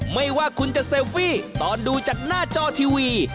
ไม่ว่าคุณจะเซลฟี่ตอนดูจากหน้าจอทีวี